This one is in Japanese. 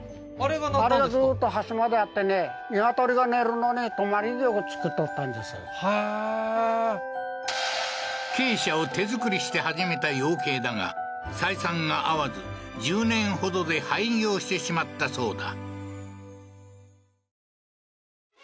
あれがへえー鶏舎を手作りして始めた養鶏だが採算が合わず１０年ほどで廃業してしまったそうだ